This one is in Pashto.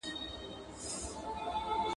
• څه ژرنده پڅه وه، څه غنم لانده وه.